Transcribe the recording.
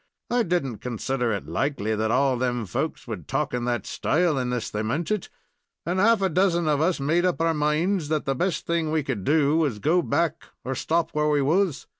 I did n't consider it likely that all of them folks would talk in that style unless they meant it, and half a dozen of us made up our minds that the best thing we could do was to go back, or stop where we was.